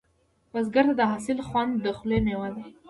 بزګر ته د حاصل خوند د خولې میوه ده